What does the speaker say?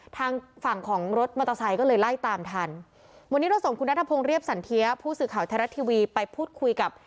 ทางฝั่งของรถมอเตอร์ไซค์ก็เลยไล่ตามทันวันนี้เราส่งคุณนัทพงศ์เรียบสันเทียผู้สื่อข่าวไทยรัฐทีวีไปพูดคุยกับ